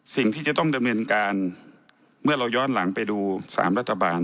สิ่งที่จะต้องดำเนินการเมื่อเราย้อนหลังไปดู๓รัฐบาล